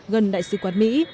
gần đại sứ quán mỹ